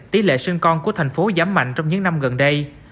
tỷ lệ sinh con của thành phố giảm mạnh trong những năm gần đây